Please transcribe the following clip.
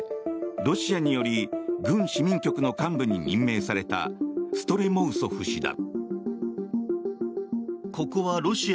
ロシアにより軍市民局の幹部に任命されたストレモウソフ氏だ。